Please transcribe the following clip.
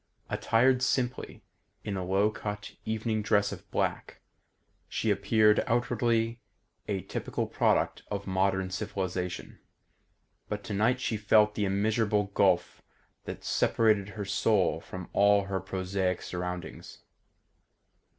Attired simply, in a low cut evening dress of black, she appeared outwardly a typical product of modern civilisation; but tonight she felt the immeasurable gulf that separated her soul from all her prosaic surroundings.